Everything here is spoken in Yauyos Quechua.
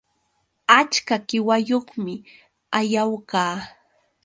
Achka qiwayuqmi Ayawka